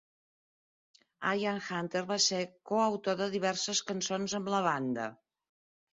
Ian Hunter va ser coautor de diverses cançons amb la banda.